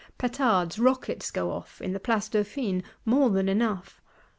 Petards, rockets go off, in the Place Dauphine, more than enough.